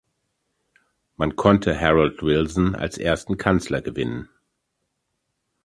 Man konnte Harold Wilson als ersten Kanzler gewinnen.